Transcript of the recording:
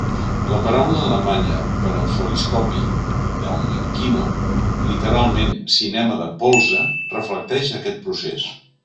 La paraula alemanya per a foliscopi ("Daumenkino", literalment "cinema de polze") reflecteix aquest procés.